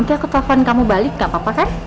nanti aku telepon kamu balik gak apa apa kan